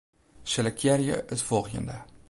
Selektearje it folgjende.